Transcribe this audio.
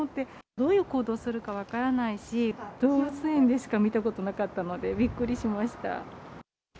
どういう行動するか分からないし、動物園でしか見たことなかったので、びっくりしました。